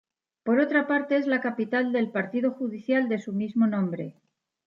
Por otra parte es la capital del partido judicial de su mismo nombre.